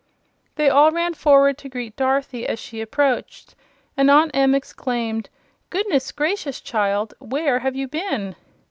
They all ran forward to greet Dorothy, as she approached, and Aunt Em exclaimed: "Goodness gracious, child! Where have you been?"